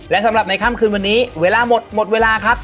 และสำหรับในค่ำคืนวันนี้เวลาหมดหมดเวลาครับ